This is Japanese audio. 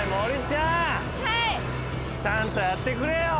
ちゃんとやってくれよ。